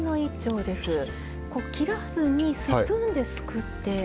切らずにスプーンですくって。